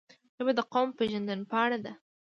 ژبه د قوم پېژند پاڼه ده